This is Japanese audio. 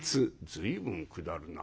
「随分下るな」。